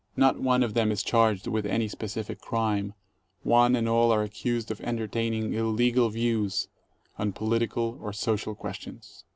Not one of them is charged with any specific crime; one and all are accused of entertaining "illegal" views on political or Social questions.